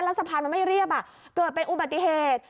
แล้วสะพานมันไม่เรียบเกิดเป็นอุบัติเหตุ